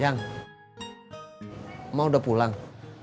yang mama udah pulang